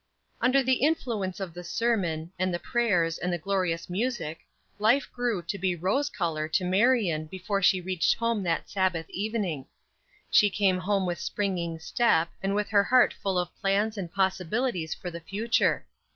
UNDER the influence of the sermon, and the prayers, and the glorious music, life grew to be rose color to Marion before she reached home that Sabbath evening. She came home with springing step, and with her heart full of plans and possibilities for the future.